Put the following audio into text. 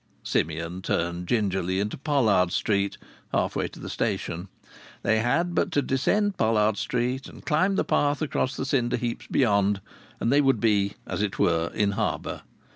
Simeon turned gingerly into Pollard Street half way to the station. They had but to descend Pollard Street and climb the path across the cinder heaps beyond, and they would be, as it were, in harbour.